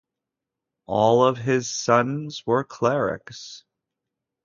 All of his sons were clerics.